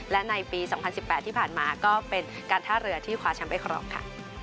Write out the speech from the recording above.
และในปี๒๐๑๘ที่ผ่านมาก็เป็นการท่าเรือที่คว้าแชมป์ไปครองค่ะ